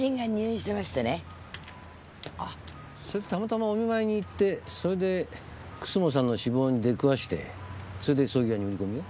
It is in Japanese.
あぁそれでたまたまお見舞いに行ってそれで楠本さんの死亡に出くわしてそれで葬儀屋に売り込みを？